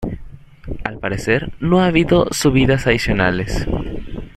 Al parecer, no ha habido subidas adicionales.